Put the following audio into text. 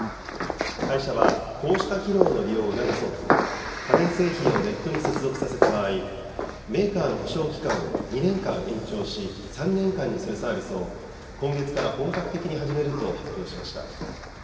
会社は、こうした機能の利用を促そうと、家電製品をネットに接続させた場合、メーカーの保証期間を２年間延長し、３年間にするサービスを、今月から本格的に始めると発表しました。